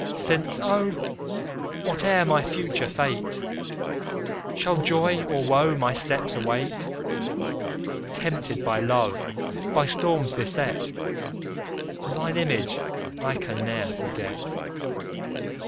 Since, oh! whate'er my future fate, Shall joy or woe my steps await; Tempted by love, by storms beset, Thine image, I can ne'er forget.